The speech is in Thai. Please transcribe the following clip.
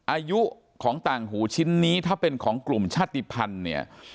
อายุของต่างหูชิ้นนี้ถ้าเป็นของกลุ่มชาติภัณฑ์เนี่ย